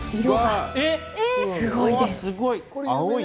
すごい！